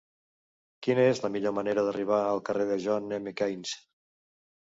Quina és la millor manera d'arribar al carrer de John M. Keynes?